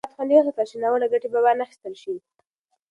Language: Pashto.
هر وخت چې معلومات خوندي وساتل شي، ناوړه ګټه به وانخیستل شي.